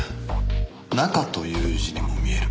「中」という字にも見える。